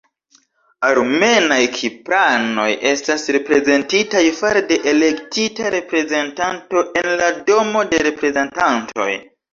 Armenaj-kipranoj estas reprezentitaj fare de elektita reprezentanto en la Domo de Reprezentantoj.